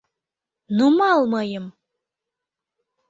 Нумал мыйым!